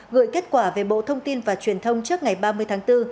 gửi kết quả về bộ thông tin và truyền thông trước ngày ba mươi tháng bốn